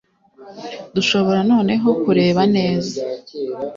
dushobora noneho kureba neza